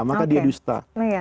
maka dia dusta